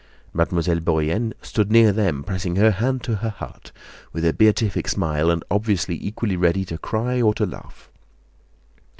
Mademoiselle Bourienne stood near them pressing her hand to her heart, with a beatific smile and obviously equally ready to cry or to laugh.